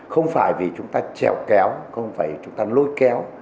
không phải vì chúng ta chèo kéo không phải vì chúng ta lôi kéo